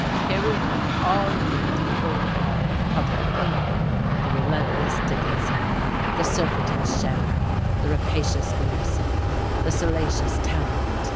Here we were, all arraigned before the bar of public opinion, the relentless Dickinson, the surfeited Scherer, the rapacious Grierson, the salacious Tallant.